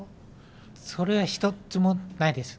それは一つもないです。